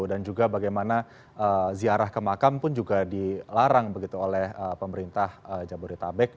dan juga bagaimana ziarah kemakam pun juga dilarang begitu oleh pemerintah jabodetabek